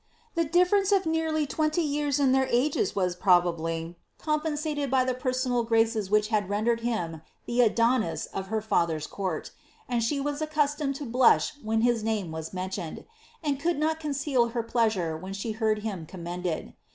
The difference of nearly twenty years in their ages was, probably, compensated by the personal graces which had rendered him the Adonis of her Other's court, and she was accustomed to blush when his name was mentioned, and could not conceal her pleasure when she heard him commended.